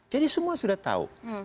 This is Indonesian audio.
jadi semua sudah tahu